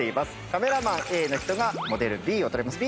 カメラマンＡの人がモデルＢを撮ります。